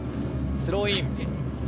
スローイン。